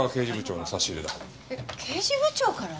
えっ刑事部長から？